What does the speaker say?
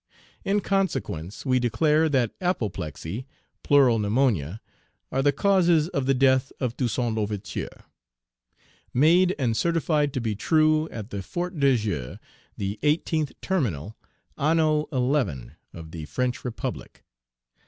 In consequence, we declare that apoplexy, pleuro pneumonia, are the causes of the death of Toussaint L'Ouverture. Made and certified to be true, at the Fort de Joux, the 18th Terminal, An XI. of the French Republic.